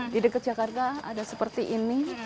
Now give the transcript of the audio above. di dekat jakarta ada seperti ini